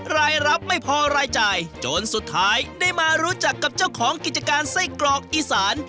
รายรับไม่พอรายจ่ายจนสุดท้ายได้มารู้จักกับเจ้าของกิจการไส้กรอกอีสาน